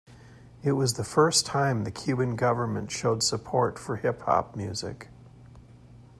It was the first time the Cuban government showed support for hip hop music.